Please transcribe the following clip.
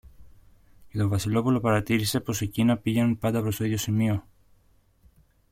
και το Βασιλόπουλο παρατήρησε πως εκείνα πήγαιναν πάντα προς το ίδιο σημείο